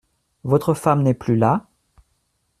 Votre femme n’est plus là ?